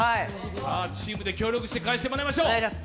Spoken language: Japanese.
さあ、チームで協力して返してもらいましょう。